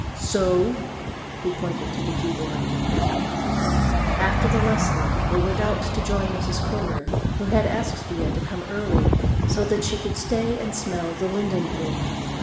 "So?" he pointed to the keyboard. After the lesson they went out to join Mrs. Kohler, who had asked Thea to come early, so that she could stay and smell the linden bloom.